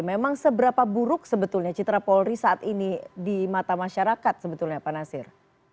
memang seberapa buruk sebetulnya citra polri saat ini di mata masyarakat sebetulnya pak nasir